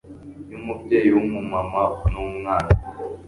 yumubyeyi wumumama numwana